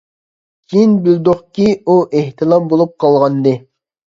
كېيىن بىلدۇقكى، ئۇ ئېھتىلام بولۇپ قالغانىدى.